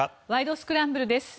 スクランブル」です。